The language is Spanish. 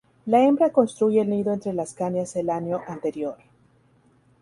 La hembra construye el nido entre las cañas el año anterior.